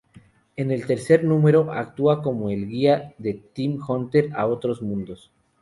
En el tercer número, actúa como el guía de Tim Hunter a otros mundos.